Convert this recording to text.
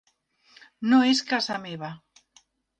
No és casa meva.